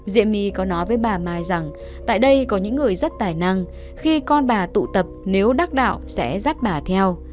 diệm my có nói với bà mai rằng tại đây có những người rất tài năng khi con bà tụ tập nếu đắc đạo sẽ rắt bà theo